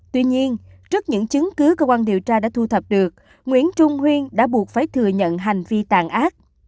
tuy nhiên trước những chứng cứ cơ quan điều tra đã thu thập được nguyễn trung huyên đã buộc phải thừa nhận hành vi tàn ác